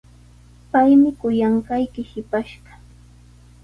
Paymi kuyanqayki shipashqa.